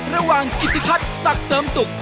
ระหว่างกิติพัดศักดิ์เสิร์มสุข